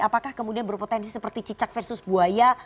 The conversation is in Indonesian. apakah kemudian berpotensi seperti cicak versus buaya